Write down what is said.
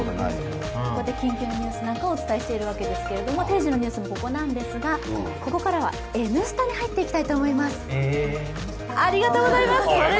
ここで緊急のニュースなんかをおつたえしているわけですけれども、定時のニュースもここなんですが、ここからはＮスタに入っていきたいと思います